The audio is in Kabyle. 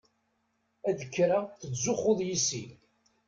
Ad k-rreɣ tettzuxxuḍ yess-i.